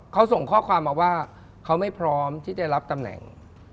เขาส่งข้อความมาว่าเขาไม่พร้อมที่ได้รับตำแหน่ง